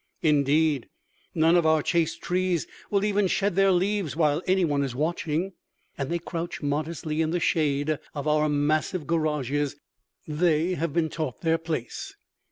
Indeed none of our chaste trees will even shed their leaves while any one is watching; and they crouch modestly in the shade of our massive garages. They have been taught their place.